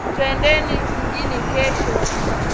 Twendeni mjini kesho.